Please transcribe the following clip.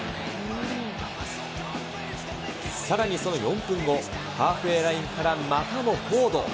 さらに、その４分後、ハーフウエーラインから、またもフォード。